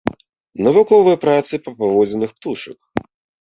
Навуковыя працы па паводзінах птушак.